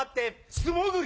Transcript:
素潜り。